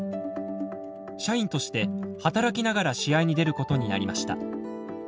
社員として働きながら試合に出ることになりました。